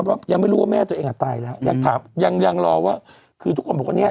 เพราะยังไม่รู้ว่าแม่ตัวเองอ่ะตายแล้วยังถามยังยังรอว่าคือทุกคนบอกว่าเนี้ย